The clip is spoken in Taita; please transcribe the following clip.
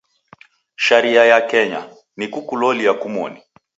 Sharia ya Kenya, ni kukulolia kumoni.